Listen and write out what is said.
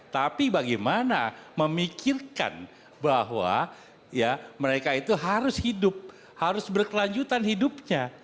tapi bagaimana memikirkan bahwa mereka itu harus hidup harus berkelanjutan hidupnya